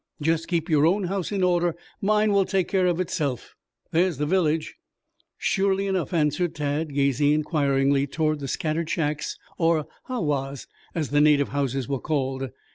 "Just keep your own house in order. Mine will take care of itself. There's the village." "Surely enough," answered Tad, gazing inquiringly toward the scattered shacks or ha was, as the native houses were called.